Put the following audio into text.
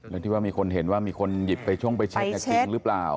แล้วที่ว่ามีคนเห็นว่ามีคนหยิบไปช่งไปเช็คจริงหรือเปล่า